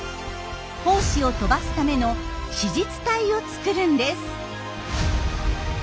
胞子を飛ばすための子実体を作るんです。